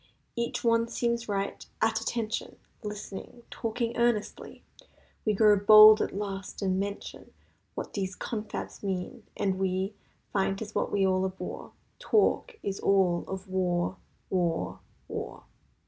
Each one seems right—"At attention!" Listening—talking earnestly— We grow bold at last and mention What these confabs mean, and we Find 'tis what we all abhor— Talk is all of war—war—^war.